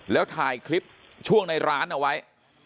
แล้วถ่ายคลิปช่วงในร้านเอาไว้